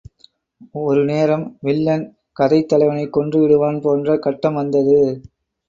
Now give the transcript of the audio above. ஒரு நேரம், வில்லன் கதைத் தலைவனைக் கொன்று விடுவான் போன்ற கட்டம் வந்தது.